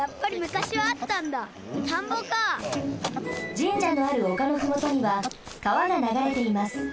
神社のあるおかのふもとにはかわがながれています。